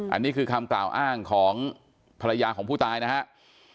อันนี้คือคำกล่าวอ้างของภรรยาของผู้ตายนะครับ